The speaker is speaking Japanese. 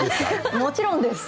もちろんです。